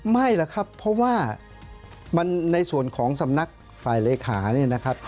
ไม่หรอกครับเพราะว่ามันในส่วนของสำนักฝ่ายเลขาเนี่ยนะครับ